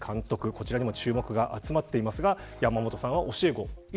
こちらにも注目が集まっていますが山本さんは教え子。